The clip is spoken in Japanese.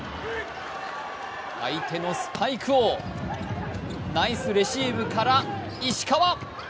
相手のスパイクをナイスレシーブから石川。